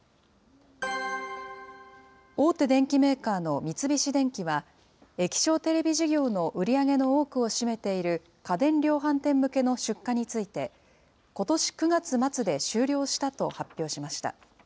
大手電機メーカーの三菱電機は、液晶テレビ事業の売り上げの多くを占めている家電量販店向けの出荷について、ことし９月末で終了したと発表しました。